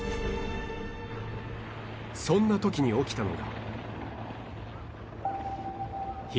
そんな時に起きたのが